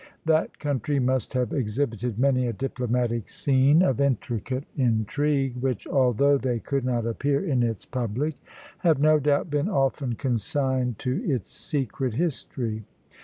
That country must have exhibited many a diplomatic scene of intricate intrigue, which although they could not appear in its public, have no doubt been often consigned to its secret, history.